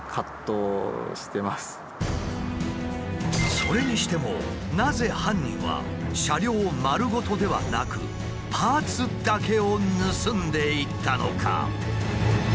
それにしてもなぜ犯人は車両丸ごとではなくパーツだけを盗んでいったのか？